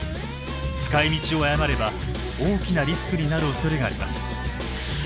使いみちを誤れば大きなリスクになるおそれがあります。